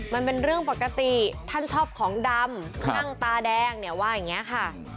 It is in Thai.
มันเป็นเรื่องปกติท่านชอบของดำนั่งตาแดงเนี่ยว่าอย่างนี้ค่ะ